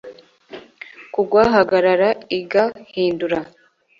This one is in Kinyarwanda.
kugwa. hagarara. iga. hindura